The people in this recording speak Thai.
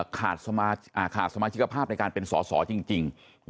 ขาดสมาชิกภาพในการเป็นสอสอจริง